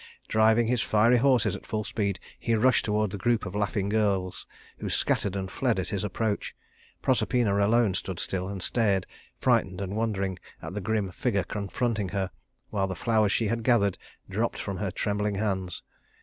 Driving his fiery horses at full speed, he rushed toward the group of laughing girls, who scattered and fled at his approach. Proserpina alone stood still, and stared, frightened and wondering, at the grim figure confronting her, while the flowers she had gathered dropped from her trembling hands.